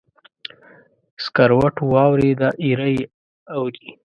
سکروټو واوریده، ایره یې اوري